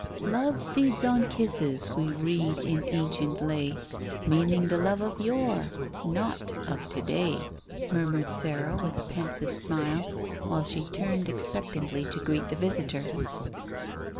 "'Love feeds on kisses, we read in ancient lay; Meaning the love of yore; not of to day,'" murmured Sarah, with a pensive smile, while she turned expectantly to greet the visitor.